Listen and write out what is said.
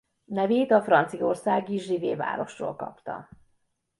Nevét a franciaországi Givet városról kapta.